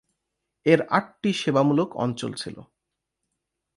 এর আটটি সেবামূলক অঞ্চল ছিল।